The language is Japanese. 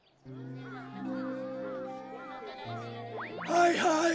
はいはい